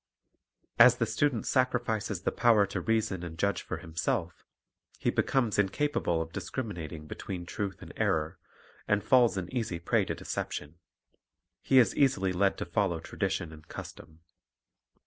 As the student sacrifices the power to reason and judge for himself, he becomes incapable of discriminating between truth and error, and falls an easy prey to deception. He is easily led to follow tradition and custom.